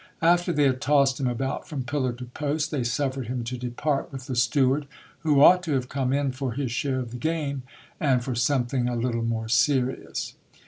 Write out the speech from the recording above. After they had tossed him about from pillar to post, they suffered him to depart with the steward, who ought to have come in for his share of the game, and for something a little more serious.